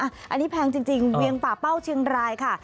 อันนี้แพงจริงเวียงป่าเป้าเชียงรายค่ะ